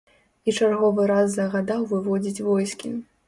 І чарговы раз загадаў выводзіць войскі.